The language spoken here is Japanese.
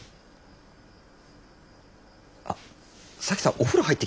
あっ沙樹さんお風呂入ってきたら？